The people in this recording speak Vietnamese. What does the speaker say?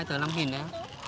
hai tờ năm đấy ạ